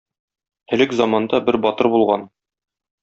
Элек заманда бер батыр булган.